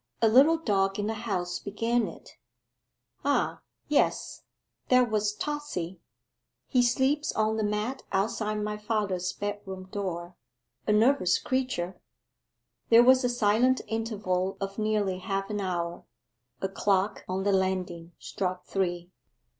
A little dog in the house began it.' 'Ah, yes: that was Totsy. He sleeps on the mat outside my father's bedroom door. A nervous creature.' There was a silent interval of nearly half an hour. A clock on the landing struck three.